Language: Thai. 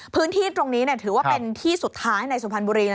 พื้นที่ตรงนี้ถือว่าเป็นที่สุดท้ายในสุพรรณบุรี